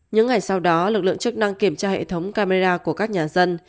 những ngày sau đó lực lượng chức năng kiểm tra hệ thống camera của các nhà dân